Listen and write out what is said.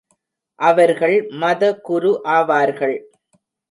அவர்கள் மத குரு ஆவார்கள்.